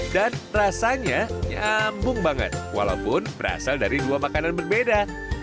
dan rasanya nyambung banget walaupun berasal dari dua makanan berbeda